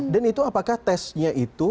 dan itu apakah tesnya itu